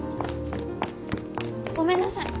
ごめんなさい。